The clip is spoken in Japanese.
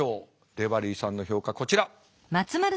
デバリーさんの評価こちら。